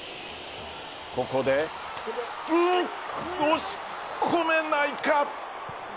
ここで押し込めないか。